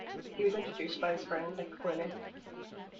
He was introduced by his friend, Nick Clooney.